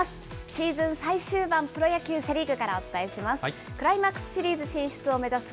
シーズン最終盤、プロ野球・セ・リーグからお伝えします。